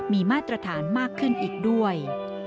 มีมาตรฐานมากขึ้นอีกด้วย